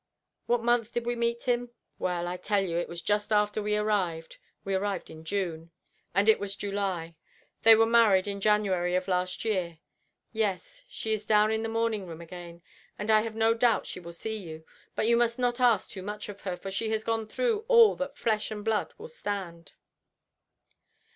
What month did we meet him? Well, I tell you it was just after we arrived. We arrived in June, and it was July. They were married in January of last year. Yes, she is down in the morning room again, and I have no doubt she will see you, but you must not ask too much of her, for she has gone through all that flesh and blood will stand."